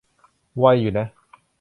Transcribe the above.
ไวอยู่นะ